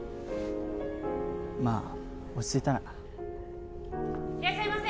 まあ落ち着いたらないらっしゃいませ！